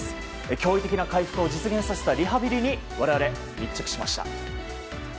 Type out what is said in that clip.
驚異的な回復を実現させたリハビリに我々、密着しました。